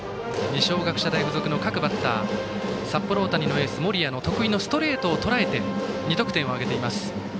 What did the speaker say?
二松学舎大付属の各バッターは札幌大谷のエース、森谷の得意のストレートをとらえて、２得点を挙げています。